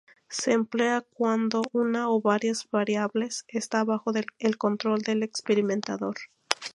Se emplea cuando una o varias variables está bajo el control del experimentador.